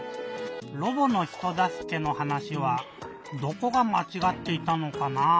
ロボのひとだすけのはなしはどこがまちがっていたのかなぁ？